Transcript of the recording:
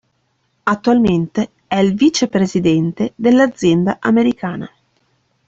Attualmente è il vice presidente dell'azienda americana.